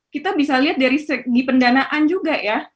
kita bisa lihat di pendanaan juga ya